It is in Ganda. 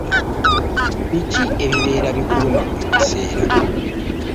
Biki ebibeera bikuluma buli kaseera?